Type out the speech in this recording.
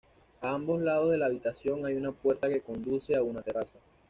A ambos lados de la habitación hay una puerta que conduce a una terraza.